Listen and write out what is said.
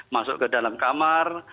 masuk ke dalam kamar